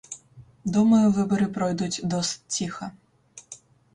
Думаю, выбары пройдуць досыць ціха.